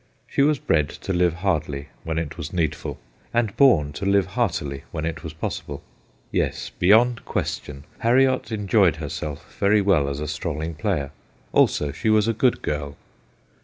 She was bred to live hardly when it was needful, and born to live heartily when it was possible. Yes, beyond^ question, Harriot enjoyed herself very well as a strolling player. Also, she was a good girl.